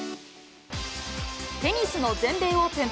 テニスの全米オープン。